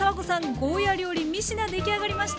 ゴーヤー料理３品出来上がりました。